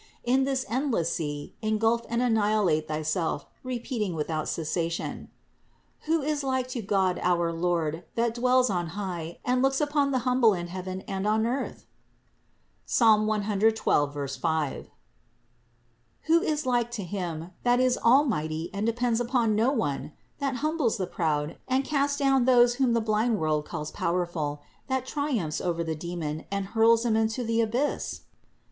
In this endless sea, engulf and anni hilate thyself, repeating without cessation : "Who is like to God our Lord, that dwells on high and looks upon the humble in heaven and on earth?" (Ps. 112, 5). Who is like to Him, that is almighty and depends upon no one ? that humbles the proud, and casts down those whom the blind world calls powerful, that triumphs over the demon and hurls him to the abyss?